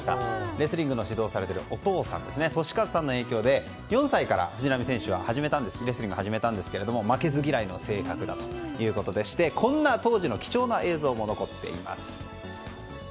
レスリングの指導をされているお父さん俊一さんの影響で４歳から藤波選手はレスリングを始めたんですが負けず嫌いの性格だということでして当時の貴重な映像も残っています。